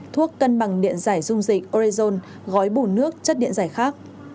thuốc cân bằng điện giải dung dịch orezon gói bủ nước chất điện giải khác